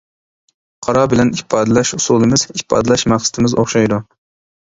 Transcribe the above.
قارا بىلەن ئىپادىلەش ئۇسۇلىمىز، ئىپادىلەش مەقسىتىمىز ئوخشايدۇ.